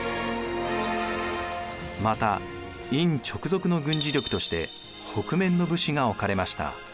また院直属の軍事力として北面の武士が置かれました。